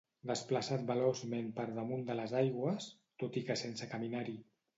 Desplaçat veloçment per damunt de les aigües, tot i que sense caminar-hi.